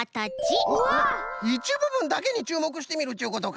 いちぶぶんだけにちゅうもくしてみるっちゅうことか。